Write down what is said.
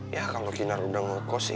ya kalo kinar udah ngekos sih